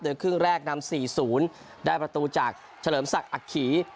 เดือนครึ่งแรกนำสี่ศูนย์ได้ประตูจากเฉลิมศักดิ์อักขี